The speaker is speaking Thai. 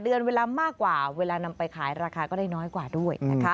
เดือนเวลามากกว่าเวลานำไปขายราคาก็ได้น้อยกว่าด้วยนะคะ